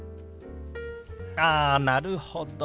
あなるほど。